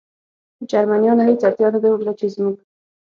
جرمنیانو هېڅ اړتیا نه درلوده، چې زموږ.